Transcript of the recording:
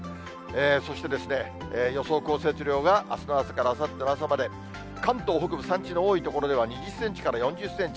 そして予想降雪量が、あすの朝からあさっての朝まで、関東北部、山地の多い所では、２０センチから４０センチ。